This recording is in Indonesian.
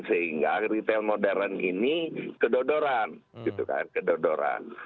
sehingga retail modern ini kedodoran